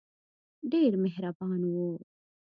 ډېر مهربان وو.